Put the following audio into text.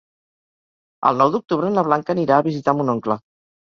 El nou d'octubre na Blanca anirà a visitar mon oncle.